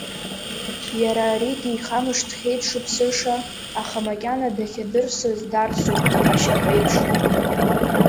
Иара аригьы ихамышҭхьеи дшыԥсыша, аха макьана дахьадырсыз дарсуп ашьаҟеиԥш.